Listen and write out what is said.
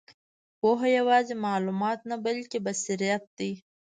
پوهه یوازې معلومات نه، بلکې بصیرت دی.